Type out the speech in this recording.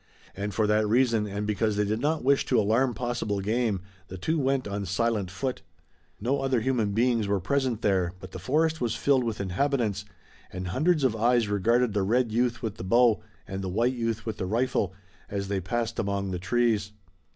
And for that reason, and because they did not wish to alarm possible game, the two went on silent foot. No other human beings were present there, but the forest was filled with inhabitants, and hundreds of eyes regarded the red youth with the bow, and the white youth with the rifle, as they passed among the trees.